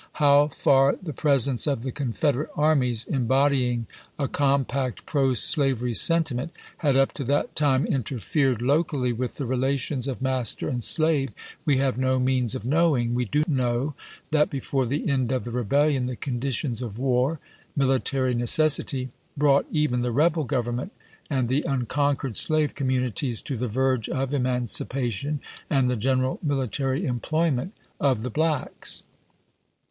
How far the presence of the Confederate armies, embodying a compact proslavery sentiment, had up to that time interfered locally with the relations of master and slave we have no means of knowing; we do know that before the end of the rebellion the conditions of war — military necessity — brought even the rebel Grov ernment and the unconquered slave communities to the verge of emancipation and the general mili tary employment of the blacks.